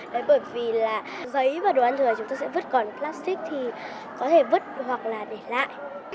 đấy bởi vì là giấy và đồ ăn thừa chúng ta sẽ vứt còn plastic thì có thể vứt hoặc là để lại